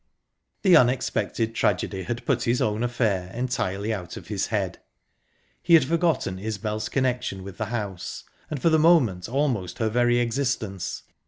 The unexpected tragedy had put his own affair entirely out of his head. He had forgotten Isbel's connection with the house, and, for the moment, almost her very existence.